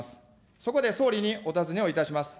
そこで総理にお尋ねをいたします。